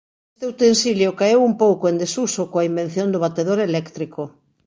Este utensilio caeu un pouco en desuso coa invención do batedor eléctrico.